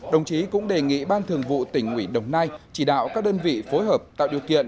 đồng chí cũng đề nghị ban thường vụ tỉnh ủy đồng nai chỉ đạo các đơn vị phối hợp tạo điều kiện